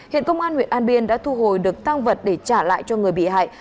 hiện công an huyện an biên đã thu hồi được tăng vật để trả lại cho người bị hại